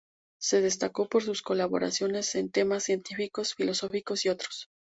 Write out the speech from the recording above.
Se destacó por sus colaboraciones en temas científicos, filosóficos y otros.